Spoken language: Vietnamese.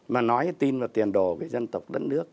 mà nói tin vào tiền đồ về dân tộc đất nước